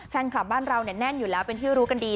แฟนคลับบ้านเราแน่นอยู่แล้วเป็นที่รู้กันดี